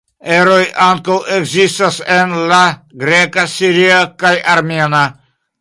Eroj ankaŭ ekzistas en la greka, siria kaj armena.